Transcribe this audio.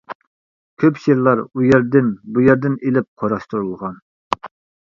كۆپ شېئىرلار ئۇ يەردىن، بۇ يەردىن ئېلىپ قۇراشتۇرۇلغان.